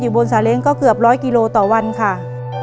บนสาเล้งก็เกือบร้อยกิโลต่อวันค่ะ